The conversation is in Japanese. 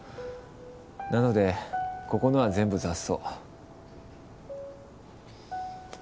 なのでここのは全部雑草。